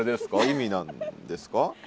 意味なんですか？